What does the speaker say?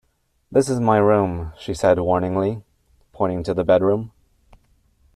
"This is my room," she said warningly, pointing to the bedroom.